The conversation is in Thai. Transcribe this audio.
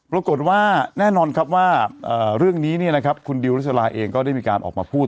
ปรากฏว่าแน่นอนครับว่าเรื่องนี้คุณดิวริสราเองก็ได้มีการออกมาพูด